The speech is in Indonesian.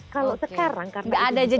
kalau sekarang karena itu sudah di tulis